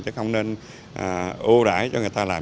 chứ không nên ưu đải cho người ta làm